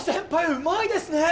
うまいですね。